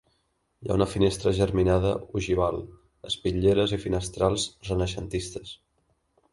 Hi ha una finestra germinada ogival, espitlleres i finestrals renaixentistes.